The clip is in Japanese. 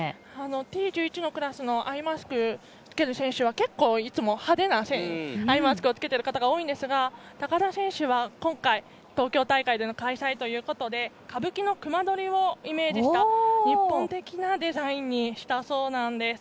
Ｔ１１のクラスアイマスクをつける選手は派手なアイマスクを着けている方が多いんですが高田選手は今回東京大会での開催ということで歌舞伎の隈取りをイメージした日本的なデザインにしたそうなんです。